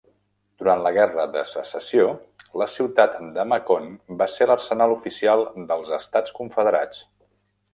Durant la Guerra de Secessió, la ciutat de Macon va ser l'arsenal oficial dels Estats Confederats.